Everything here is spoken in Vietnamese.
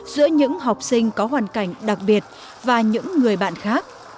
giữa những học sinh có hoàn cảnh đặc biệt và những người bạn khác